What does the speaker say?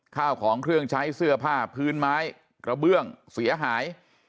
ข้าวของเครื่องใช้เสื้อผ้าพื้นไม้กระเบื้องเสียหาย